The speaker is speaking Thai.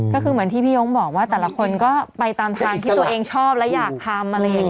ก็คือเหมือนที่พี่ยงบอกว่าแต่ละคนก็ไปตามทางที่ตัวเองชอบและอยากทำอะไรอย่างนี้